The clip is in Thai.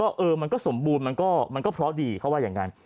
เออมันก็สมบูรณ์มันก็เพราะดีเขาว่าอย่างนั้น